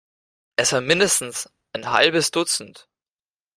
Es war mindestens ein halbes Dutzend.